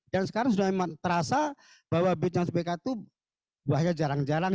dan sekarang sudah memang terasa bahwa bibit yang sepikat itu buahnya jarang jarang